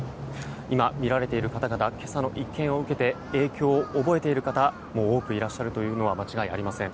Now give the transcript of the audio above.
今、見られている方々は今朝の一件を受けて影響、覚えている方多くいることも間違いありません。